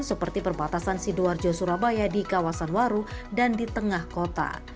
seperti perbatasan sidoarjo surabaya di kawasan waru dan di tengah kota